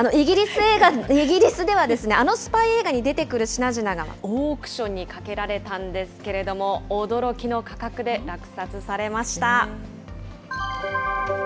イギリスでは、あのスパイ映画に出てくる品々がオークションにかけられたんですけれども、驚きの価格で落札されました。